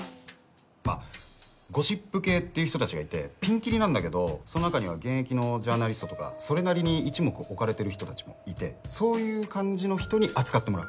まあゴシップ系っていう人たちがいてピンキリなんだけどその中には現役のジャーナリストとかそれなりに一目を置かれてる人たちもいてそういう感じの人に扱ってもらう。